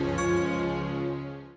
aku ngomong panjang lebar